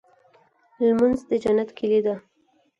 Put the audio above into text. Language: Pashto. لمونځ د جنت کيلي ده.